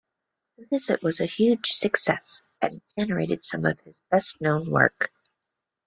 The visit was a huge success and generated some of his best known work.